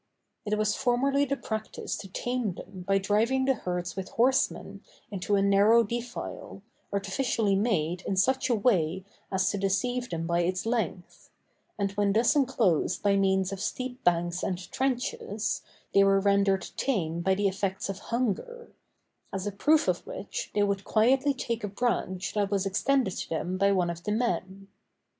It was formerly the practice to tame them by driving the herds with horsemen into a narrow defile, artificially made in such a way as to deceive them by its length; and when thus enclosed by means of steep banks and trenches, they were rendered tame by the effects of hunger; as a proof of which, they would quietly take a branch that was extended to them by one of the men.